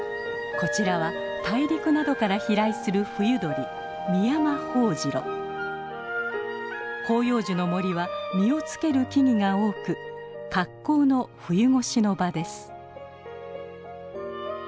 こちらは大陸などから飛来する冬鳥広葉樹の森は実をつける木々が多く格好の冬越しの場です。